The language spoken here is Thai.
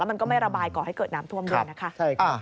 มันก็ไม่ระบายก่อให้เกิดน้ำท่วมด้วยนะคะ